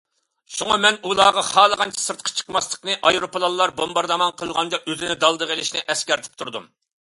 شۇڭا، مەن ئۇلارغا خالىغانچە سىرتقا چىقماسلىقنى، ئايروپىلانلار بومباردىمان قىلغاندا ئۆزىنى دالدىغا ئېلىشنى ئەسكەرتىپ تۇردۇم.